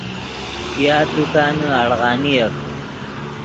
زیات دکانے اڑغانیف